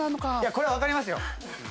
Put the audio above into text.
これはわかりますよ。